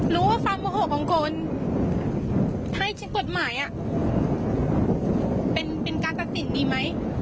รู้ว่าความโอ้โหของคนให้กฎหมายเป็นการตัดสินดีไหม